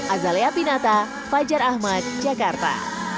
azalea pinata fajar ahmad jakarta